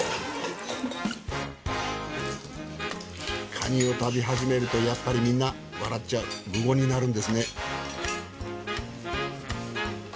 カニを食べ始めるとやっぱりみんな笑っちゃう無言になるんですね。